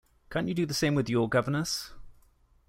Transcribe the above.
Can't you do the same with your governess?